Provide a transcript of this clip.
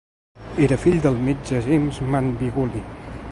Era fill del metge James Manby Gully.